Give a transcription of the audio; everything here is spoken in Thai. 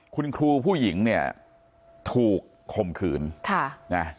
คุณครูผู้หญิงเนี่ยถูกคมคืน